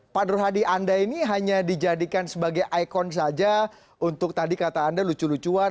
pak nur hadi anda ini hanya dijadikan sebagai ikon saja untuk tadi kata anda lucu lucuan